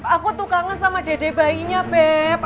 aku tuh kangen sama dede bayinya be